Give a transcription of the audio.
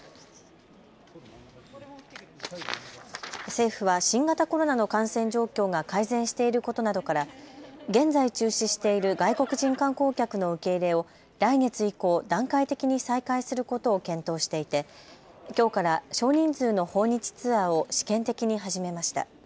政府は新型コロナの感染状況が改善していることなどから現在、中止している外国人観光客の受け入れを来月以降、段階的に再開することを検討していてきょうから少人数の訪日ツアーを試験的に始めました。